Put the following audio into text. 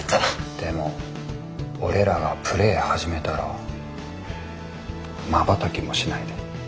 でも俺らがプレー始めたらまばたきもしないで。